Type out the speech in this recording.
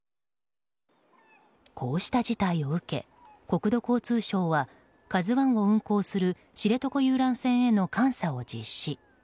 こうした事態を受け国土交通省は「ＫＡＺＵ１」を運行する知床遊覧船への監査を実施。